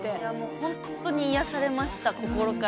本当に癒やされました、心から。